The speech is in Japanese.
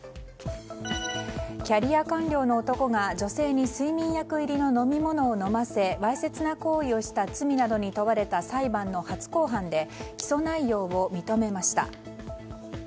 キャリア官僚の男が女性に睡眠薬入りの飲み物を飲ませわいせつな行為をした罪などに問われた裁判の初公判で起訴内容を認めました。